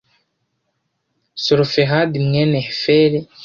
selofehadi, mwene heferi